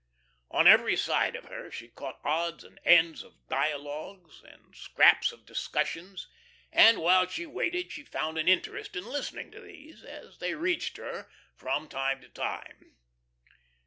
On every side of her she caught odds and ends of dialogues and scraps of discussions, and while she waited she found an interest in listening to these, as they reached her from time to time.